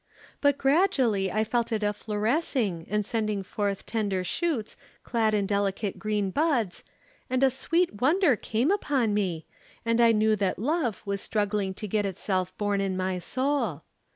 But gradually I felt it efflorescing and sending forth tender shoots clad in delicate green buds, and a sweet wonder came upon me, and I knew that love was struggling to get itself born in my soul.